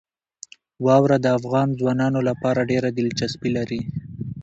واوره د افغان ځوانانو لپاره ډېره دلچسپي لري.